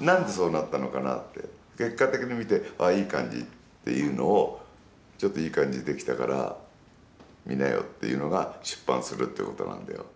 なんで、そうなったのかなって結果的に見てあ、いい感じっていうのをちょっと、いい感じにできたから見なよっていうのが出版するってことなんだよ。